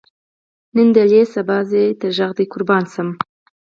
نن دلې سبا به ځې تر غږ دې جار شم.